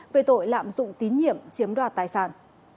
về tội lạm dụng tín nhiệm chiếm đoạt tài sản